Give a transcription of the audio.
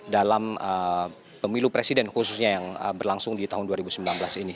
dalam pemilu presiden khususnya yang berlangsung di tahun dua ribu sembilan belas ini